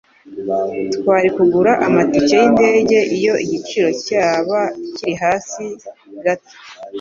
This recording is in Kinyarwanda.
Twari kugura amatike yindege iyo igiciro cyaba kiri hasi gato.